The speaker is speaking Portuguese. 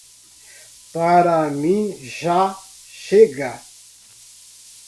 Para mim já chega!